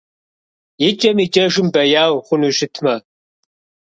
Икӏэм-икӏэжым бэяу, хъуну щытмэ!